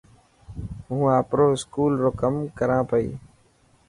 هون آپرو اسڪول رو ڪم ڪران پئي.